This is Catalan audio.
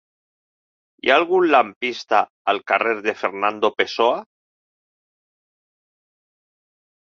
Hi ha algun lampista al carrer de Fernando Pessoa?